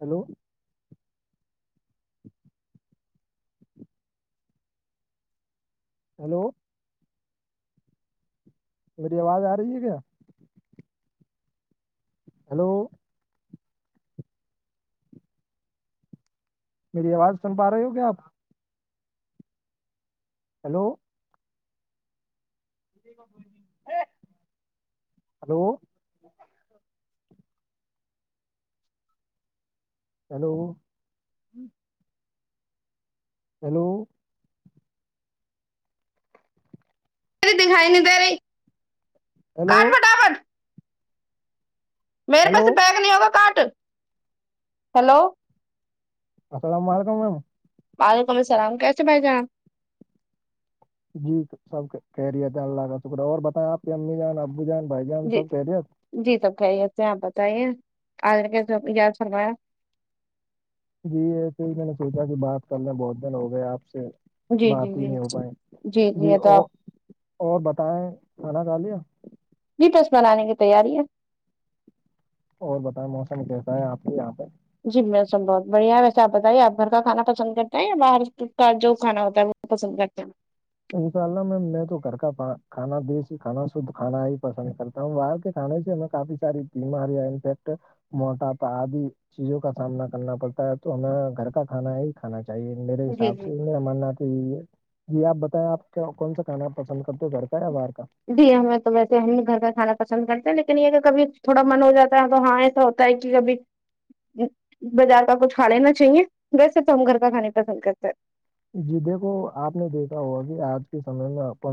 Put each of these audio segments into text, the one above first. Hello hello میری آواز آ رہی ہے کیا ہیلو میری آواز سن پا رہے ہو کیا آپ ہیلو ہلو [unintelligible] ہیلو [unintelligible] ہیلو [unintelligible] دکھائی نہیں دے رہی ہیلو کاٹ فٹافٹ میرے ہیلو پاس بیگ نہیں ہوگا کٹ ہیلو السلام علیکم میم وعلیکم السلام کیس بھائی جان جی سب کہہ رہیت ہے اللہ کا شکرہ اور بتائیں آپ کی امی جان ابو جان بھائی جان جی سب کہہ رہیت جی سب کہہ رہتے ہیں آپ بتائیے آجے یاد فروایا جی ایسے ہی میں نے سوچا کہ بات کرنے بہت دن ہو گئے آپ سے جی جی بات ہی جی نہیں ہو پائے جی یہ تو اور آپ اور بتائے کھانا ک لیا جی تسمہ لانے کی تیاری ہے اور بتائیں موسم کیسا ہے آپ کے یہاں پہ جی م سب بہت بڑھیا ہے ویسے آپ بتائیے آپ گھر کا کھا پسند کرتا ہیں یا باہر کا جو کھا ہوتا ہے وہ پسند کرتے ہیں انشاء اللہ میم میں تو کر کا کانا دیسی کھانا شدھ کھانا ہی پسند کرتا ہم باہر کے کھانے سے ہمیں کافی ساری بیماریاںفیکٹ موٹاپا آدی چیزوں کا سامنا کرنا پڑتا ہے تو ہمیں گھر کا کھانا ہی کھانا چاہیے میرے جی حساب جی سے میرا ماننا کہ یہ یہ آپ آپ کون سا کھانا پسند کرتے ہو گھر کا یا باہر کا جی ہمیں تو ویسے ہم گھر کا کھانا پسند کرتے ہیں لیکن یہ کہ کبھی تھوڑا من ہو جاتا ہے تو ہاں تو کہ کبھی بازار کا کچھ کھا لینا چاہیے ویسے تو ہم گھر کا کھانا پسند کرتے ہیں جی دیکھو آپ نے دیکھا ہوا کہ آج کے سمے میں اپ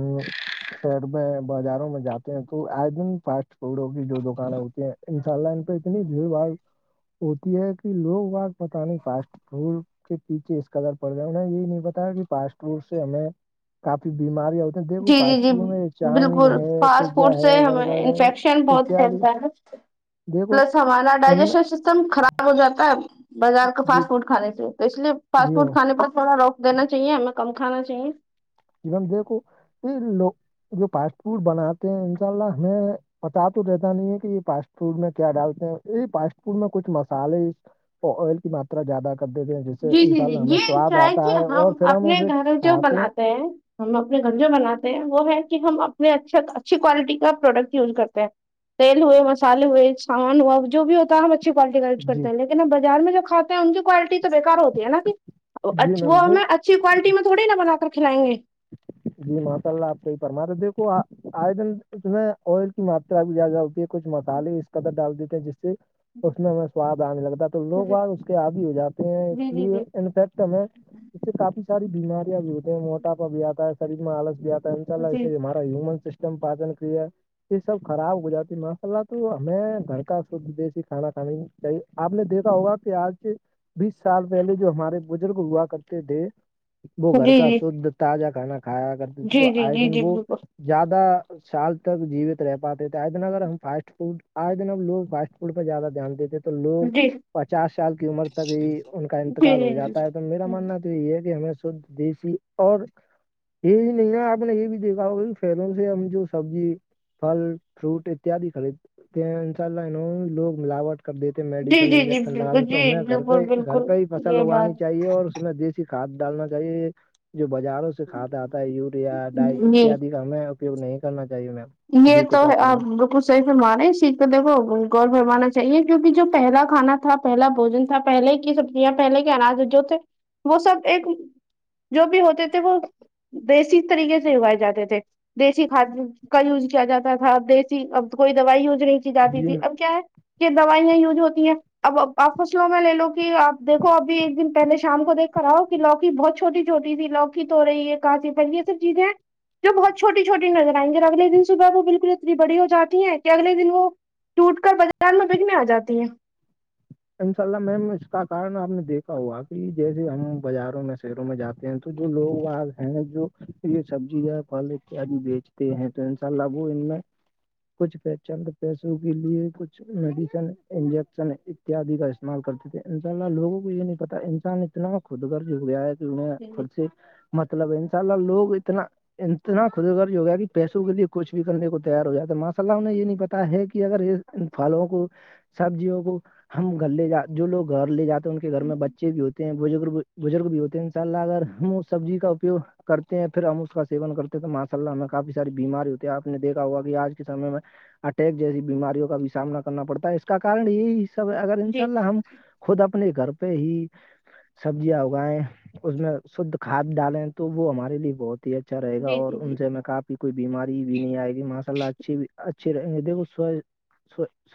شہر میں بازاروں میں جاتے ہیں تو آئے دن فاسٹ فوڈوں کی جو دکانیں ہوتی ہیں ان شاء اللہ ان پہ اتنی بھیڑ باڑ ہوتی ہے کہ لوگ پت نہیں فاسٹ فوڈ کے پیچھے اس قدر پڑ جا ہم یہی نہیں بتایا کہ فاسٹ فورٹ سے ہمیں کافی بیماری اور جی جی جی بالکل فاسٹ پیزا فوڈ سے ہے ہمیں برگر ہے انفیکشن بہت اتیادی پھیلتا ہے دیکھو پلس ہمانا ان میں ڈائجیشن خراب ہو جاتا ہے بازار کا جی فاسٹ فوڈ کھے سے تو اس لیے فاسٹ جی فوڈ ہاں کھانے پر تھوڑا روک دینا چاہیے ہمیں کم کھانا چاہیے دیکھو یہ لوگ جو فاسٹ فوڈ بناتے ہیں ان شاء اللہ ہمیں پتا تو رہتا نہیں ہے کہ یہ فاسٹ فوڈ میں کیا ڈالتے ہیں یہ فاسٹ فوڈ میں کچھ مسالے کیا زیادہ کر دیتے ہیں جس سے جی جی انشاء جی اللہ ہمیں یہ سواد کیا آتا کہ ہے اور پھر ہم اپنے اسے گھر جو کھاتے ہیں بناتے ہم اپنے گھر جو بناتے ہیں وہ ہے کہ ہم اپنے اچھا اچھی کوالٹی کا پروڈکٹ یوز کرتے ہیں تیل ہوئے مسالے ہوئے سامان ہوا جو بھی ہو تو ہم اچھی کوالٹی کا یز جی کرتے ہیں لن اب بار میں جو کاتے ہیں ان کی کوالٹی تو تو بےیکار ہوتی ہے نا کہ جی وہ میم دیک ہمیں اچھی کوالٹی میں تھوڑی نا بنا کر کھلائیں گے جی ماشاء اللہ آپ کو ہی فرما رہے دیکو آئے دن اس میں آئل کی ماترا بھی زیادہ ہوتی ہے کچھ مسالحے اس قدر ڈال دیتے ہیں جس سے اس میں ہمیں سواد آنے لگتا ہے تو لوگ بار اس کے آبی ہو جاتے ہیں اس جی جی جی لیے انفیکٹ ہمیں اس سے کافی ساری بیماریاں بھی ہوتی ہیں موٹاپا بھی آتا ہے شریر میں آلس بھی آتا ہے ما ہن سسٹم پچن کریا یہ سب خراب ہو جاتی مساللہ تو ہمیں گھر کا شھ دیسی کھانا کھانے آپ نے دیکھا ہوگا کہ آج بیس سال پہلے جو ہمارے بزرگ ہوا کرتے تھے وہ گھر جی کا شھ تازہ کھانا کھایا کرتے تھے جی تو جی جی آئے دن وہ زیادہ سال تک جیوت رہ پاتے تھے آئے دن اگر ہم فاسٹ فوڈ آئے دن ہم لوگ فاسٹ فوڈ پہ زیادہ دھیان دیتے تو تو لوگ پچاس سال کی عمر تک ہی ان کا انتقال ہو جاتا ہے تو میرا ماننا تو یہ ہے کہ ہمیں شھ دیسی اور یہ نہیں ہے آپ نے یہ بھی دیکھا ہوگا فلوں سے ہم جو سبزی فل فروٹ اتیاد خریدتے ان شاء اللہ لوگ ملاوٹ کر دیتے جی میڈیسن جی جی انجیکشن جی بالکل جی جی جی جی جی جی جی جی لگا لیں بالکل جی تو ہمیں گھر بالکل پہ گھر بالکل پہ ہی فصل یہ اگوانی بات چاہیے اور اس میں دیس کھاد ڈالنا چاہیے جو بازاروں سے کھاد آتا ہے یوریا ڈائی جی اتیاد ہمیں اپیوگ نہیں کرنا چاہیے میم یہ جی کچھ آپ فرما تو کچھ صرف ہمارے س د کو غور فمانا چاہیے کیک جو پہلا کھا تھا پہلا بوجن تھا پہلے یہ سب پہلے کے انج جو تھے وہ سب ایک جو بھی ہو تھے وہ دیسی طریقے سے اگائے جاتے تھے دیسی کھاد کا یوز کیا جاتا تھا اب دیسی اب کوئی دوائی یوز نہیں کی جاتی جی تھی اب کیا ہے کہ دوائیاں یوج ہوتی ہیں اب آپ فصلوں میں لے لو کہ آپ دیکھو ابھی ایک دن پہلے شام کو دیکھ کر آؤ ک لوگ بہت چھوٹی چھوٹی سھی لوک ہو رہی ہے کاسی پل یہ سب چیزیں جو بہت چھوٹی چوٹی نظر آئ گے اگل دن صبح وہ بالکل اتنی بڑی ہو جاتی ہیں کہ اگلے دن وہ ٹوٹ کر بازار میں بکنے آ جاتی ہے انشاء اللہ میم اس کا کارن آپ نے دیکھا ہوا کہ جیسے ہم بازاروں میں شہروں میں جے ہیں تو تو جو لوگ وہاں ہیں جو یہ سبزی یا پھل اتیاد بیچتے ہیں ٹ انسا لگو ان میں کچھچڈ پیسوں کے لیے کچھ میڈیسن انجیکشن اتیادی کا استعمال کرتے تھے ان شاء اللہ لوگوں کو یہ نہیں پتتا انسان اتنا خود گرج ہو گیا ہے خود سے مطلب ہے ان شاء اللہ لوگ اتنا اتنا خودغرض ہو گیا کہ پیسوں کے لیے کچھ بھی کرنے کو تیار ہو جاتا ہے ماشاء اللہیں یہ نہیں پتا ہے کہ اگر یہ پھلوں کو سبزیوں کو ہم گھر لے جا جو لوگ گھر لے جے ہیں ان کے گھر میں بچے بھی ہوتے ہیں بزرگ بزرگ بھی ہوتے ہیں ان شاء اللہ اگر وہ سبزی کا اپیوگ کرتے ہیں پھر ہم اس کا سیون کرتے ہیں تو ماشاء اللہ ہم کافی ساری بیماری ہوتی ہے آپ نے دیکا ہوا کہ آج کے سے میں اٹیک جیسی بیماریوں کا بھی سامنا کرنا پڑتا ہے اس کا کن یہی سب ہے اگر ان شاء جی اللہ ہم خود اپنے گھر پہ ہی سبزیاں اگائیں اس میں شدھ کھاد ڈالیں تو وہ ہمارے لیے بہت اچھا رہ گا جی اور جی ان سے میں کافی کوئی بیماری بھی نہیں آئے گی ماشاء اللہ اچھے بھی اچھے رہیں گے دیکھوو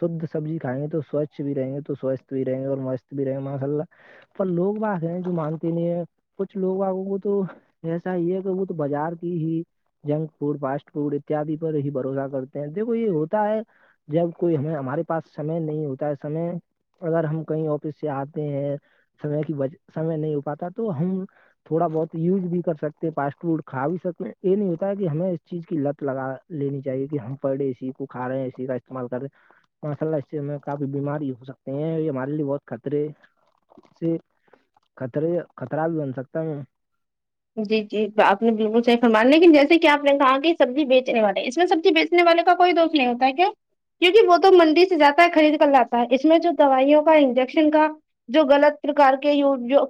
شدھ سبزی کائیں گے تو سوچھ بھی رہیں گے تو سوچستھ بھی رہیں گے اور مست بھی رہیں گے ماشاء اللہ پر لوگ باگ ہیں جو مانتے نہیں ہے کچھ لوگ باگوں کو تو ایسا یہ کہ وہ تو بازار کی ہی جنک فوڈ فاسٹ فوڈ اتیادی پر ہی بھروسہ کرتے ہیں دیکھو یہ ہوتا ہے جب کوئی ہمیں ہمارے پاس سمے نہیں ہوتا ہے سے اگر ہم کہیں آفس سے آتے ہیں سمے کیج سمے نہیں ہو پاتا تو ہم تھوڑا بہت یوز بھی کر سکتے ہیں فاسٹ فوڈ کھا بھی سکتے ہیں یہ نہیں ہوتا ہے کہ ہمیں اس چیز کی لت لگا لینی چاہیے کہ ہم پڑے اسی کو کھا رہے ہیں اسی کا استعمال کر رہے ماسءلہ اس کاف بیماری ہو سکتے ہیں یہ ہمارے لیے بہت خطرے کطرے خطرہ بھی بن سکتا ہے میں جی جی آپ نے بالکل صح فرمان لیکن جیسے کہ آپ نے کہا کہ سبزی بیچنے والے ہیں اس میں سبزی بیچ نے والے کا کوئی دوش نہیں ہوتا ہے کیا کیوںکہ وہ تو منڈی سے جاتا ہے خرید کر لاتا ہے اس میں جو دوائیوں کا انجیکشن کا جو غلط پرکار کے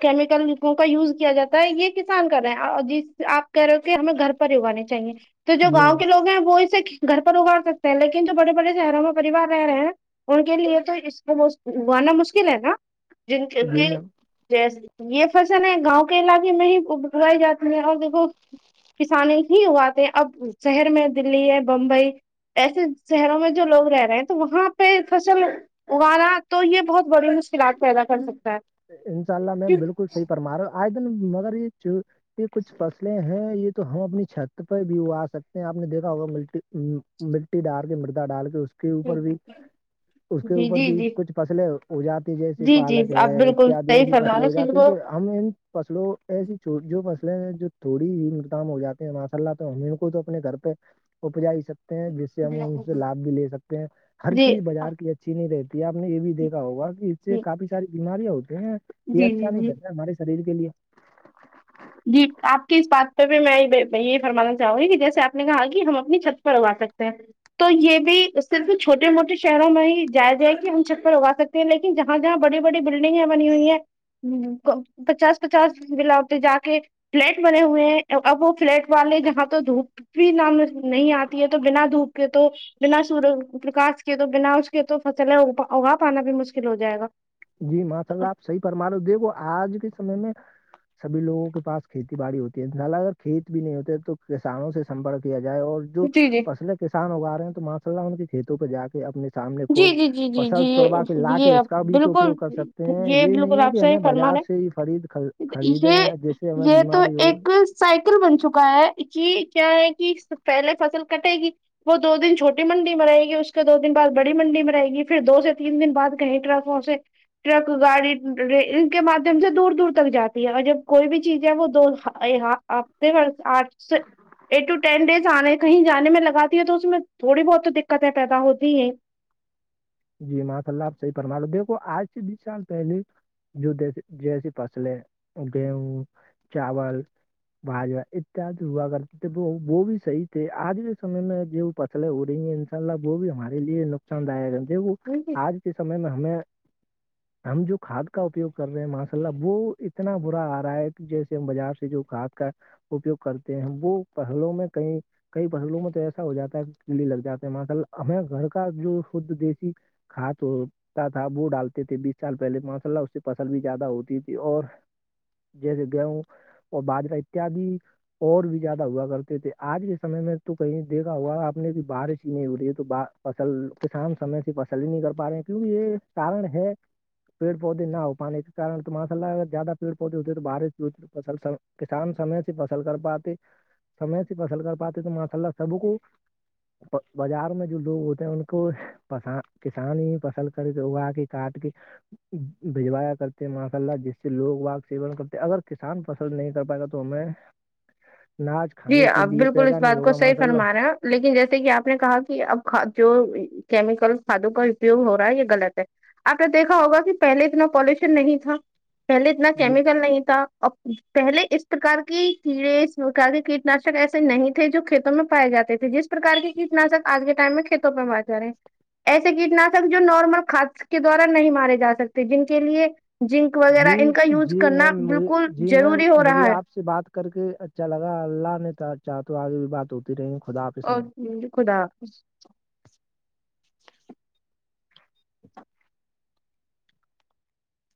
کیمیکل کا یوز کیا جاتا ہے یہ کسان کر رہے ہیں جس آپ کہہ رہے ہو کہ ہمیں گھر پر ہی اگانے چاہیے تو جو جی گاؤں میم کے لو ہیں وہ اسے گھر پر اگاڑ سکتے ہیں لیکن جو بڑے بڑے شہروں میں پریوار رہ رہے ہیں ان کے لیے تو اس کو گوانا مشکل ہے نا جن کی جی کہ میم جی یہ فصل ہے گاؤں کے علاقے میں ہی ابوائی جاتی ہیں اور دھ کسانے ہی ہوواتے اب شہر میں دلی ہے بمبئی ایسے شہروں میں جو لوگ رہ رہے ہیں تو وہاں پہ فصل اگالا تو یہ بہت بڑی مشکلات پیدا کر سکتا ہے انشاء اللہ جی میم بالکل صحیح فرما رہا آئے دن مگر یہ یہ کچھ فصلیں ہیں یہ تو ہم اپنی چھت پہ بھی اوا سکتے ہیں آپ نے دیکھا ہوگا ملٹی ڈال کے مردا ڈال کے اس کے اوپر بھی اس کے اوپر جی بھی جی کچھ فصلیں ہو جاتی جیسے جی جی پالک آپ ہے بالکل صحیح دیسی فرما فصلیں رہے ہو جاتی ہیں تو ہم ان فصلوں ایسی چ جو فصلیں ہیں جو تھوڑی ہی نقدام ہو جاتی ہیں ہمارے سلہ تو ہم ان کو تو اپنے گھر پہ اپپجا ہی سکتے ہیں جس سے ہم ان سے لابھ بھی لے سکتے ہیں ہر جی چیز بازار کی اچھی اچھی نہیں رہتی ہے آپ نے یہ بھی دیکا ہوگا کہ اس سے کافی ساری بیماریاں ہوتی یہ جی جی جی اچھا نہیں جی رہتا ہمارے شریر کے لیے جی آپ کی اس بات پہ بھی میں یہ فرمانا چاہوں گی کہ جیسے آپ نے کہا کہ ہم اپنی چھت پر اگا سکتے ہیں تو یہ بھی صرف چھوٹے موٹے شہروں میں ہی جایا جائے کہ ہم چھت پر اگا سکتے لیکن جہاں جہاں بڑی بڑی بلڈنگیں بنی ہوئی ہیں ہ پچاس پچاس بلا اتے جا فلیٹ بنے ہوئے ہیں اب وہ فلیٹ والے جہاں تو دھوپ بھی نام نہیں آتی ہے تو بنا دھوپ کے تو بنا سور پرکاش کے تو بنا اس کے تو فصل ہے اگا پانا بھی مشکل ہو جائے گا جی ماشاء اللہ آپ صحیح فرما رہو دیکھو آج کے سمے میں سبھیوگوں کے پاس کھیتی باڑی ہوتی ہے زال اگر کھیت بھی نہیں ہوتے ہیں تو کسانوں سے سمپرک کیا جائے اور جو جی جی فصل کسان اگا رہے ہیں تو ماشاء اللہ ان کے کھیتوں پہ جا کے اپنے سامنے جی خود جی جی جی جی پسل توڑوا کے یہ لا کے یہ اس آپ کا بھی بالکل اپیوگ کر سکتے ہیں یہ بالکل نہیں ہے آپ کہ صحیح ہمیں فرما بازار سے رہے ہی خرید ہیں۔ یہ خریدیں جیسے ہمیں یہ تو بیماری ہو ایک سائیکل بن چکا ہے جی کیا ہے کہ پہلے فصل کٹے گی وہ دو دن چھوٹی منڈی میں رہے گی اس کے دو دن بعد بڑی منڈی میں رہے گی پھر دو سے تین دن بعد کہیںٹراف سے ٹرک گاڑی ان کے مادھیم سے دور دور تک جاتی ہے اور جب کوئی بھی چیز ہے وہ دواں آپتے آرٹس ایٹ ٹو ٹین ڈیز آنے کہیں جانے میں لگاتی ہے تو اس میں تھوڑی بہت تو دقتیں پیدا ہوتی ہیں جی ماں ت اللہ آپ صحی پرمان لو دھو آج سے بیس سال پہلے جو دی جیسی فصلیں گیہوں چاول باجوا اتیاد ہوا کرتی تھے وہ وہ بھی صح تھے آج کے سمے میں ج پتلیں ہو رہی ہیں ان شاء اللہ وہ بھی ہمارے لیے نقصان داک ہے ج وہ ہاں جی آج کے سمے میں ہمیں ہم جو کھاد کا اپیوگ کر رہے ہیں ماشا اللہ وہ اتنا برا آ رہا ہے کہ جیسے ہم بازار سے جو کھاد کا اپیوگ کرتے ہیں وہ پہلو میں کئی کئی پہلووں میں تو ایسا ہو جاتا ہے دلی لگ جاتے ہیں مل ہمیں گھر کا جو خ دی کھا تو تا تھا وہ ڈالتے تھے بیس سال پہلے ماشاء اللہ اس سے فصل بھی زیادہ ہوتی تھی اور جیسے گیہوں اور باجرہ اتیاد اور بھی زیادہ ہوا کرتے تھے آج کے سے میں تو کہیں دیکھا ہوا آپ نے کہ بارش ہی نہیں ہو رہی ہے تو فصل کسان سمے سے فصل ہی نہیں کر پا رہے ہیں کیونکہ یہ کارن ہے پیڑ پودے نہ ہو پانے کےن ت مارسءلہ اگر زیادہ پیڑ پودے ہوتے تو بارش بھی فصل س کسان سمے سے فصل کر پاتے سمے سے فصل کر پاتے تو ماس اللہ سب کو بازار میں جو لوگ ہوتے ہیں ان کو پس کسان ہی فصل کرد اگا کے کاٹ کے بھجوایا کرتے ہیں ماشاء اللہ جس سے لوگ سیون کرتے ہیں اگر کسان پسند نہیں کر پائے گا تو ہمیں ناج جی کھانے کے آپ لیے بالکل اس پیدا نہیں بات کو ہوگا صحیح ماشاء اللہ فرما رہے ہیں لیکن جیسے کہ آپ نے کہا کہ اب جو کیمیکل کھادوں کا اپیگ ہو رہا ہے یہ غلط ہے آپ نے دیکھا ہوگا کہ پہلے اتنا پالوشن نہیں تھا پہلے اتنا جی کیمیکل نہیں تھا ا پہلے اس پرکار کی کیڑے اس پرکار کی کیٹ ناشک ایسے نہیں تھے جو کھیتوں میں پائے جاتے تھے جس پرکار کے کیٹناشک آج کے ٹائم میں کھیتوں میں آ جا رہے ہیں ایسے کیٹناشک جو نارمل کاد کے دوارا نہیں مارے جا سکتے جن کے لیے جنک وغیرہ جی ان کا یوز جی کرنا میم مجھے بالکل جی میم ضروری ہو رہا مجھے ہے آپ سے بات کر کے اچھا لگا اللہ نے تو چاہ تو آگے بھی بات ہوتی رہی گ خدا آپ اس اور میں خدا